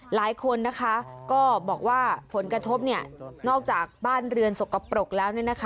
หลายคนนะคะก็บอกว่าผลกระทบนอกจากบ้านเรือนสกปรกแล้ว